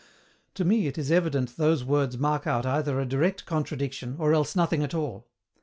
To me it is evident those words mark out either a direct contradiction, or else nothing at all.